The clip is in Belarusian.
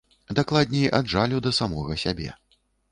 Дакладней, ад жалю да самога сябе.